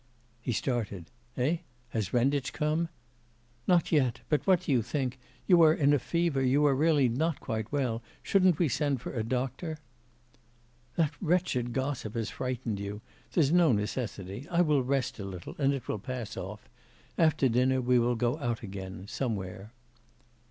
He started. 'Eh? Has Renditch come?' 'Not yet but what do you think you are in a fever, you are really not quite well, shouldn't we send for a doctor?' 'That wretched gossip has frightened you. There's no necessity. I will rest a little, and it will pass off. After dinner we will go out again somewhere.